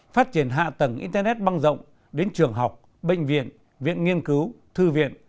phát triển hạ tầng internet băng rộng đến trường học bệnh viện viện nghiên cứu thư viện